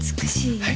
はい。